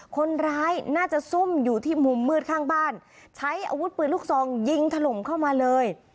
คนร้ายน่าจะซุ่มอยู่ที่มุมมืดข้างบ้านใช้อาวุธปืนลูกซองยิงถล่มเข้ามาเลย